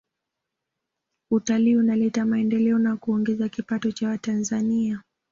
Utalii unaleta maendeleo na kuongeza kipato cha watanzania